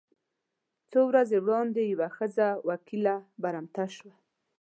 څو ورځې وړاندې یوه ښځه وکیله برمته شوه.